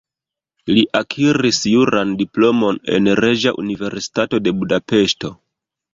Li akiris juran diplomon en Reĝa Universitato de Budapeŝto.